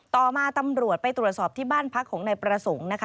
ต่อมาตำรวจไปตรวจสอบที่บ้านพักของนายประสงค์นะคะ